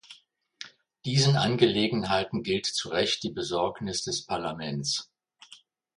Diesen Angelegenheiten gilt zu Recht die Besorgnis des Parlaments.